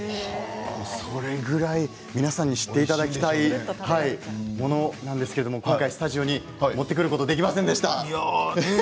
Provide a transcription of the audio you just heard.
それぐらい、皆さんに知っていただきたいものなんですけれどきょうはスタジオに持ってくることができませんでした。